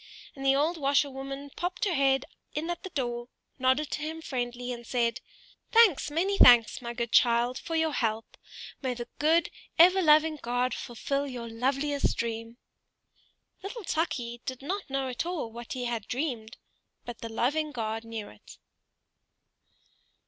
And the old washerwoman popped her head in at the door, nodded to him friendly, and said, "Thanks, many thanks, my good child, for your help! May the good ever loving God fulfil your loveliest dream!" Little Tukey did not at all know what he had dreamed, but the loving God knew it.